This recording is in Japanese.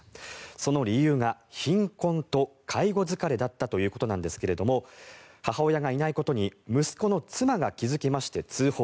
その理由が貧困と介護疲れだったということだったんですが母親がいないことに息子の妻が気付きまして通報。